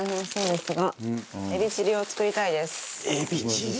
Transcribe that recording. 「エビチリ！」